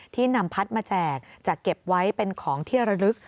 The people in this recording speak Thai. ที่นำพัดมาแจกจะเก็บไว้เป็นของที่ระลึก